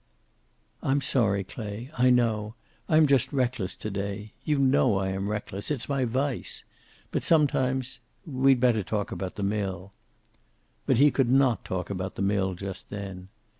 "I'm sorry, Clay. I know. I am just reckless to day. You know I am reckless. It's my vice. But sometimes we'd better talk about the mill." But he could not talk about the mill just then.